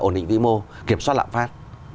ổn định vĩ mô kiểm soát lạm phát